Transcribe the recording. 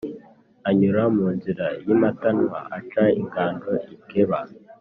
Anyura mu nzira y’impatanwa, aca ingando i Geba.